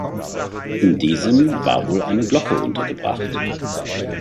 In diesem war wohl eine Glocke untergebracht.